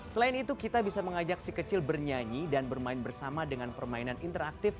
selain itu kita bisa mengajak si kecil bernyanyi dan bermain bersama dengan permainan interaktif